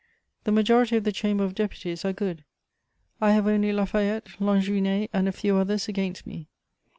The majority of the Chamber of Deputies are good; I have only La Fayette, Lanjuinais and a few others against me.